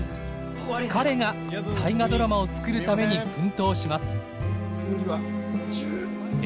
彼が「大河ドラマ」を作るために奮闘します。